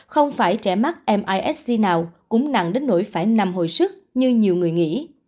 không phải trẻ mắt misc nào cũng nặng đến nỗi phải nằm hồi sức như nhiều người nghĩ